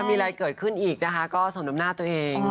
ถ้ามีอะไรเกิดขึ้นอีกก็สมดำน่าตัวเอง